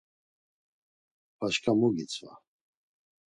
Başǩa mu gitzva?